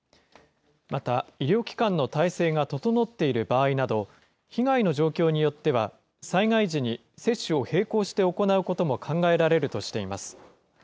また医療機関の体制が整っている場合など、被害の状況によっては、災害時に接種を並行して行うことも考えられるとしています。